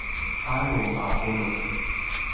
alu a pulu’